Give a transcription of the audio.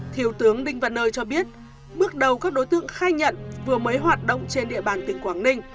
thiếu tướng đinh văn nơi cho biết bước đầu các đối tượng khai nhận vừa mới hoạt động trên địa bàn tỉnh quảng ninh